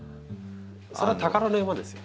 それは宝の山ですよ。